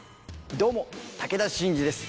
どうも武田真治です。